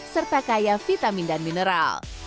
serta kaya vitamin dan mineral